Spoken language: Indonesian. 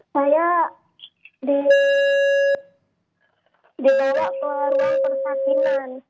saya dibawa ke ruang persakitan